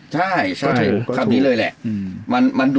ใช่ใช่ถูกคำนี้เลยแหละ